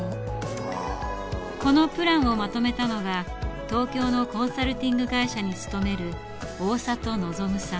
このプランをまとめたのが東京のコンサルティング会社に勤める大里望さん。